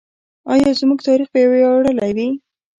آیا زموږ تاریخ به ویاړلی وي؟